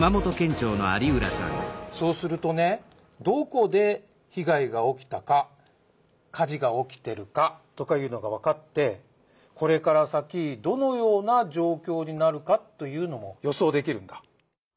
そうするとねどこで被害が起きたか火事が起きてるかとかいうのがわかってこれから先どのような状況になるかというのも予想できるんだ。